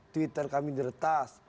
twitter kami diretas